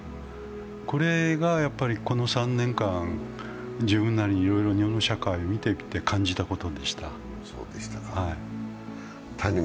これがこの３年間、自分なりに日本の社会を見てきて感じたことでした。